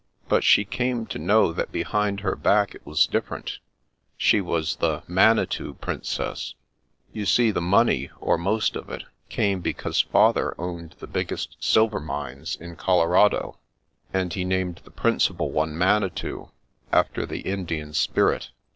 But she came to know that behind her back it was different; she was the * Manitou Princess.' You see, the money, or most of it, came because father owned the biggest silver mines in Colorado, and he named the principal one * Manitou,' after the Indian spirit.